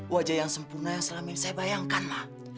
wajah yang sempurna yang selama ini saya bayangkan ma